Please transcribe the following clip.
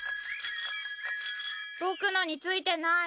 僕のについてない。